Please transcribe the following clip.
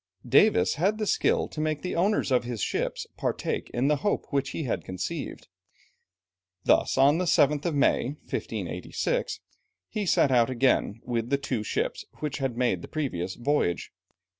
Davis had the skill to make the owners of his ships partake in the hope which he had conceived. Thus on the 7th of May (1586), he set out again with the two ships which had made the previous voyage.